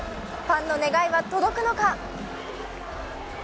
ファンの願いは届くのか。